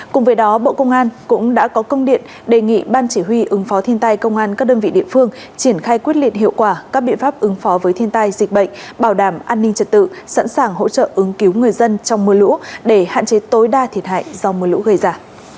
cùng với đó bộ công an cũng đã có công điện đề nghị ban chỉ huy ứng phó thiên tai công an các đơn vị địa phương triển khai quyết liệt hiệu quả các biện pháp ứng phó với thiên tai dịch bệnh bảo đảm an ninh trật tự sẵn sàng hỗ trợ ứng cứu người dân trong mưa lũ để hạn chế tối đa thiệt hại do mưa lũ gây ra